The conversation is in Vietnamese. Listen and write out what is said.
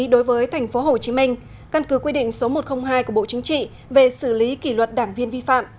đối với tp hcm căn cứ quy định số một trăm linh hai của bộ chính trị về xử lý kỷ luật đảng viên vi phạm